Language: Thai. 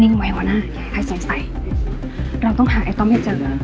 นิ่งไว้หัวหน้าอย่าให้ใครสงสัยเราต้องหาไอ้ต้มเย็นจริง